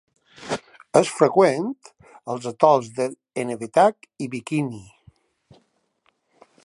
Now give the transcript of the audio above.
És freqüent als atols d'Enewetak i Bikini.